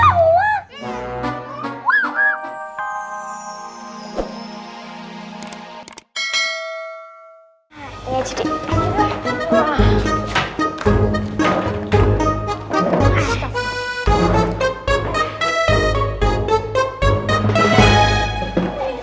aku mau baca buku ini